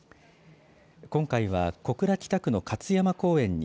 今回は小倉北区の勝山公園に